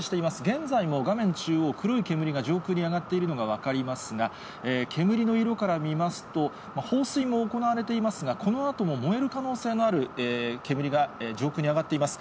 現在も画面中央、黒い煙が上空に上がっているのが分かりますが、煙の色から見ますと、放水も行われていますが、このあとも燃える可能性のある煙が上空に上がっています。